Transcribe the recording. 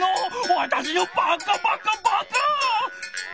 わたしのバカバカバカ！